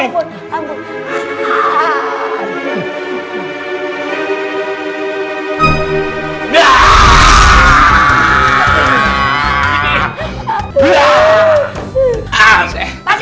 ampun ampun ampun